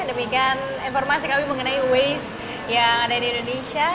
demikian informasi kami mengenai waze yang ada di indonesia